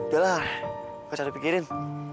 yaudah gak usah dipikirin